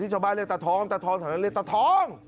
ชาวบ้านเรียกตาทองตะท้องแถวนั้นเรียกตาทอง